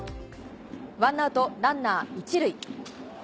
１アウトランナー１塁。